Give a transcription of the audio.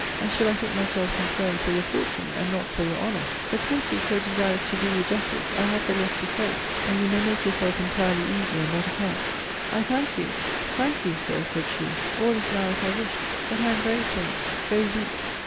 And should I think myself concerned for your fortune, and not for your honour? But since he is so desirous to do you justice, I have the less to say; and you may make yourself entirely easy on that account. I thank you, thank you, Sir, said she; all is now as I wished. But I am very faint, very weak.